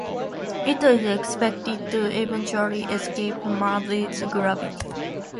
It is expected to eventually escape Mars's gravity.